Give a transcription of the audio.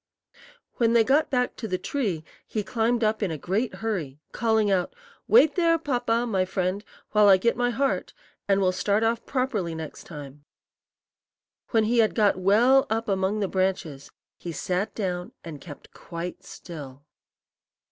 When they got back to the tree, he climbed up in a great hurry, calling out, "Wait there, Papa, my friend, while I get my heart, and we'll start off properly next time." When he had got well up among the branches, he sat down and kept quite still.